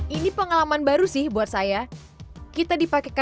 ini pengalaman baru sih buat saya kita dipakai